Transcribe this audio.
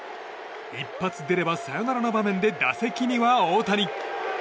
一発出ればサヨナラの場面で打席には大谷。